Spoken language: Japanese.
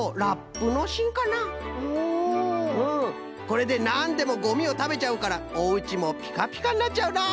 これでなんでもごみを食べちゃうからおうちもピカピカになっちゃうな。